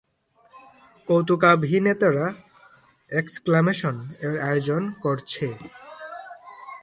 কৌতুকাভিনেতারা "exclamation" এর আয়োজন করছে!